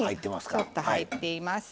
ちょっと入っています。